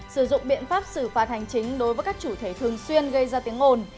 sử dụng biện pháp xử phạt hành chính đối với các chủ thể thường xuyên gây ra tiếng ồn